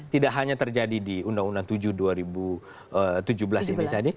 tidak hanya terjadi di undang undang tujuh dua ribu tujuh belas ini saja